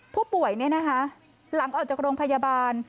ผู้ป่วยนี่นะคะหลังออกจากโรงพยาบาล